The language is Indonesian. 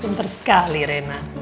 pinter sekali rina